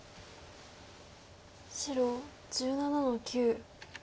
白１７の九。